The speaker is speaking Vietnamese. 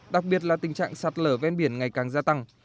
đặc biệt là tình trạng sạt lở ven biển ngày càng gia tăng